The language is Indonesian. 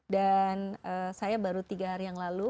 saya baru tiga hari yang lalu